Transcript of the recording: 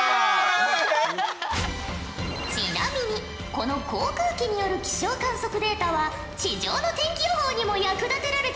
ちなみにこの航空機による気象観測データは地上の天気予報にも役立てられているんじゃぞ。